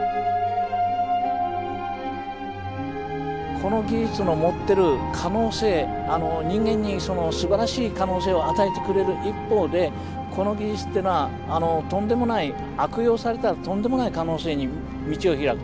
この技術の持ってる可能性人間にすばらしい可能性を与えてくれる一方でこの技術っていうのはとんでもない悪用されたらとんでもない可能性に道を開く。